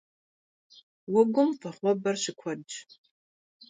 Уэгум вагъуэбэр щыкуэдщ.